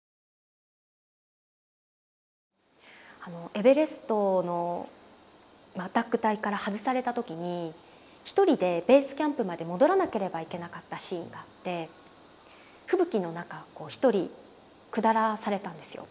エベレストのアタック隊から外された時に一人でベースキャンプまで戻らなければいけなかったシーンがあって吹雪の中を一人下らされたんですよ。